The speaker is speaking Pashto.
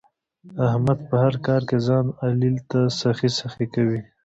احمد په هر کار کې ځان علي ته سخی سخی کوي.